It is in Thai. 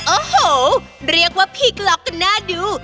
โอ้โหเรียกว่าพี่กล็อกกันน่าดู